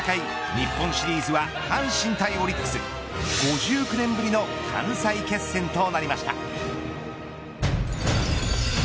日本シリーズは阪神対オリックス５９年ぶりの関西決戦となりました。